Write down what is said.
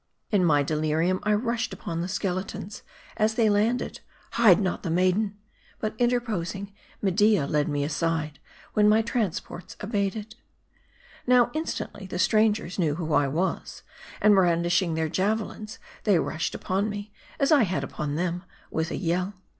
In my delirium I rushed upon the skeletons, as they landed " Hide not the maiden !" But interposing, Media led me aside ; when my transports abated. 332 M A R D I. Now, instantly, the strangers knew who I was ; and, brandishing their javelins, they rushed upon me, as I had on them, with a yell.